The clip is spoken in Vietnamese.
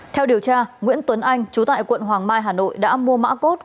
theo điều tra nguyễn tuấn anh chú tại quận hoàng mai hà nội đã mua mã cốt